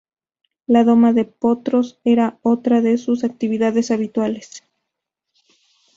La doma de potros era otra de sus actividades habituales.